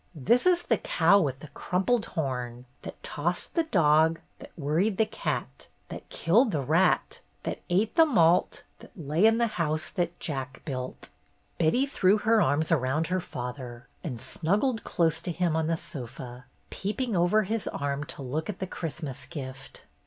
"' This is the cow with the crumpled horn, that toss'd the 262 BETTY BAIRD'S GOLDEN YEAR dog, that worried the cat, that kill'd the rat, that ate the malt, that lay in the house that Jack built! Betty threw her arms around her father and snuggled close to him on the sofa, peep ing over his arm to look at the Christmas gift.